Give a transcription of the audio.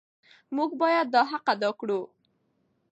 موږ باید دا حق ادا کړو.